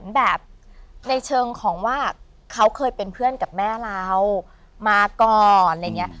แบบแม่เรามาก่อนอะไรอย่างนี้